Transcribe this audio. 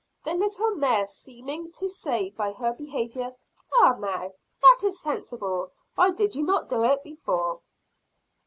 The little mare seeming to say by her behavior, "Ah, now, that is sensible. Why did you not do it before?"